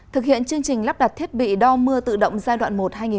thực hiện chương trình lắp đặt thiết bị đo mưa tự động giai đoạn một hai nghìn hai mươi